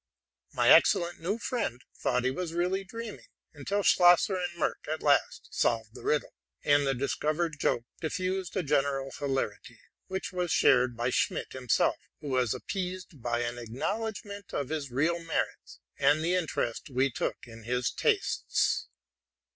My excellent new friend thought he was re ally dreaming, until Schlosser and Merck at last solved the riddle ;; and the discovered joke dif fused a general hilarity, which was shared by Schmid himself, who was appeased by an acknowledgment of his real merits, and the interest we took in his tastes.